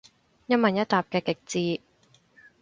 一問一答嘅極致